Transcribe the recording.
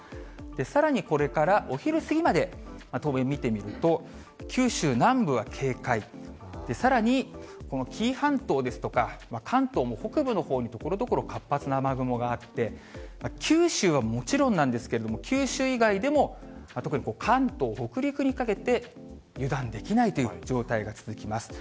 さらにこれからお昼過ぎまで、当面見てみると、九州南部は警戒、さらにこの紀伊半島ですとか、関東も北部のほうにところどころ活発な雨雲があって、九州はもちろんなんですけれども、九州以外でも、特に関東、北陸にかけて、油断できないという状態が続きます。